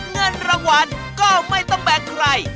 เงินรางวัลก็ไม่ต้องแบ่งใคร